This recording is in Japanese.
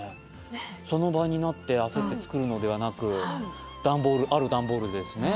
その場になって焦って作るのではなくある段ボールでですね。